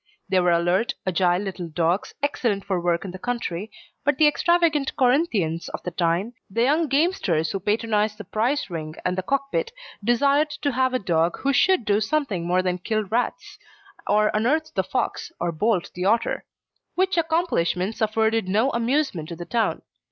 They were alert, agile little dogs, excellent for work in the country; but the extravagant Corinthians of the time the young gamesters who patronised the prize ring and the cock pit desired to have a dog who should do something more than kill rats, or unearth the fox, or bolt the otter: which accomplishments afforded no amusement to the Town.